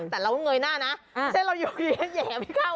แต่เราก็เงยหน้านะถ้าเราอยู่ที่นี่แหย่ไม่เข้านะ